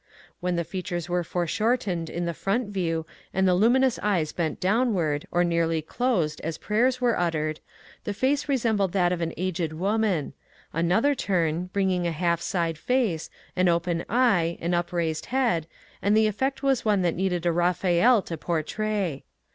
When the fea tures were foreshortened in the front view and the luminous eyes bent downward or nearly closed as prayers were uttered, the face resembled that of an aged woman ; another turn, bringing a half side face, an open eye, an upraised head, and the effect was one that needed a Baphael to portray.